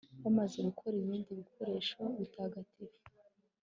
bamaze gukora ibindi bikoresho bitagatifu